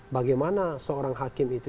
bagaimana seorang hakim itu